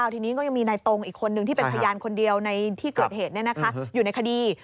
ที่นี้ก็ยังมีในตงอีกคนหนึ่งจะเป็นพยานคนเดียวอยู่ในคดี